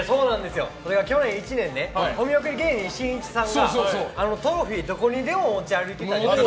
それが去年１年お見送り芸人しんいちさんがトロフィーどこにでも持ち歩いてたり。